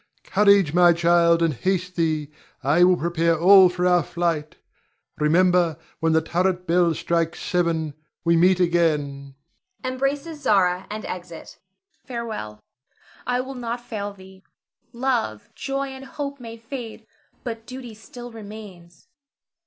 Courage, my child, and haste thee. I will prepare all for our flight. Remember, when the turret bell strikes seven, we meet again. [Embraces Zara, and exit. Zara. Farewell! I will not fail thee. Love, joy, and hope may fade, but duty still remains.